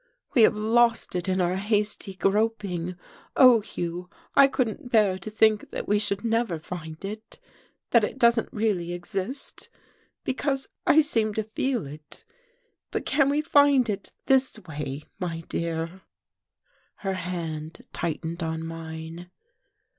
We have lost it in our hasty groping. Oh, Hugh, I couldn't bear to think that we should never find it! that it doesn't really exist! Because I seem to feel it. But can we find it this way, my dear?" Her hand tightened on mine.